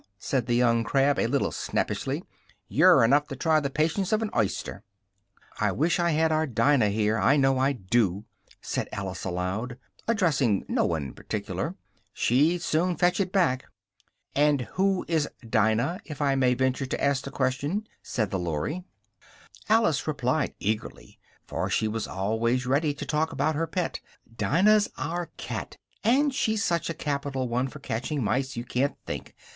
said the young Crab, a little snappishly, "you're enough to try the patience of an oyster!" "I wish I had our Dinah here, I know I do!" said Alice aloud, addressing no one in particular, "she'd soon fetch it back!" "And who is Dinah, if I might venture to ask the question?" said the Lory. Alice replied eagerly, for she was always ready to talk about her pet, "Dinah's our cat. And she's such a capital one for catching mice, you can't think!